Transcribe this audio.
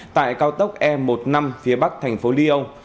tại cao tốc e một mươi năm phía bắc thành phố lyon